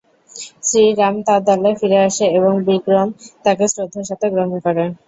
শ্রী রাম তার দলে ফিরে আসে এবং বিক্রম তাকে শ্রদ্ধার সাথে গ্রহণ করে।